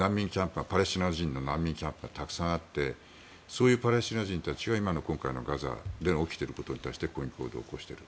パレスチナ人の難民キャンプがたくさんあってそういうパレスチナ人たちが今の、今回のガザで起きていることに対して抗議行動を起こしている。